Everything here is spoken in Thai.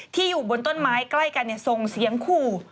อยู่บนต้นไม้ใกล้กันส่งเสียงขู่